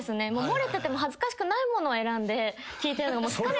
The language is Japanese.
漏れてても恥ずかしくないものを選んで聞いてるのも疲れちゃって。